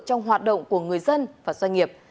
trong hoạt động của người dân và doanh nghiệp